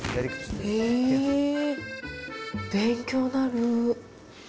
勉強になる。